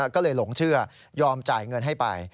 ก็เลยหลงเชื่อยอมจ่ายเงินให้ไป